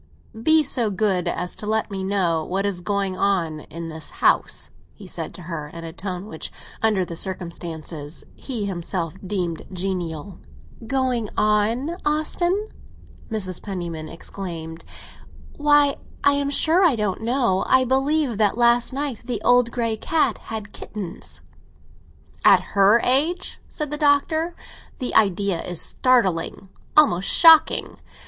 "Be so good as to let me know what is going on in the house," he said to her, in a tone which, under the circumstances, he himself deemed genial. "Going on, Austin?" Mrs. Penniman exclaimed. "Why, I am sure I don't know! I believe that last night the old grey cat had kittens!" "At her age?" said the Doctor. "The idea is startling—almost shocking.